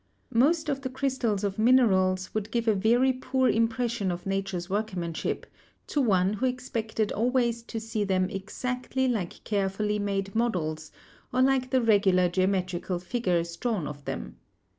Most of the crystals of minerals would give a very poor impression of nature's workmanship to one who ex pected always to see them exactly like carefully made models, or like the regular geometrical figures drawn of them.